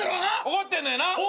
怒ってんだよな？